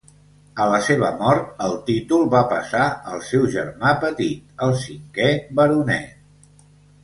A la seva mort, el títol va passar al seu germà petit, el cinquè baronet.